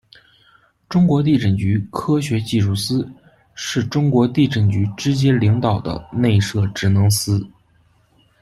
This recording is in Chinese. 中国地震局科学技术司，是中国地震局直接领导的内设职能司。